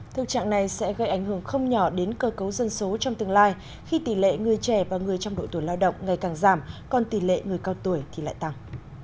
thực trạng này sẽ gây ảnh hưởng không nhỏ đến cơ cấu dân số trong tương lai khi tỷ lệ người trẻ và người trong đội tuổi lao động ngày càng giảm còn tỷ lệ người cao tuổi thì lại tăng